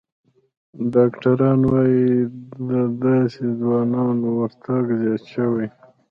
ډاکتران وايي، د داسې ځوانانو ورتګ زیات شوی